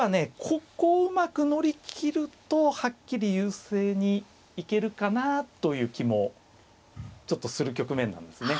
ここをうまく乗り切るとはっきり優勢に行けるかなという気もちょっとする局面なんですね。